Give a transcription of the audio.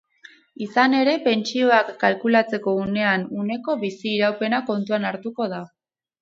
Izan ere, pentsioak kalkulatzeko unean-uneko bizi-iraupena kontuan hartuko da.